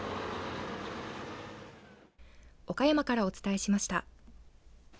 岡山からお伝えしました。